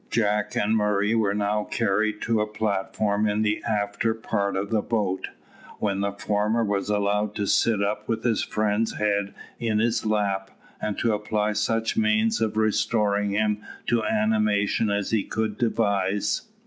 Jack and Murray were now carried to a platform in the afterpart of the boat, when the former was allowed to sit up with his friend's head in his lap, and to apply such means of restoring him to animation as he could devise.